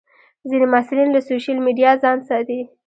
ځینې محصلین له سوشیل میډیا ځان ساتي.